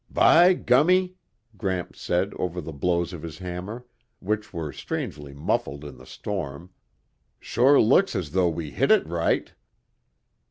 "By gummy," Gramps said over the blows of his hammer, which were strangely muffled in the storm, "sure looks as though we hit it right."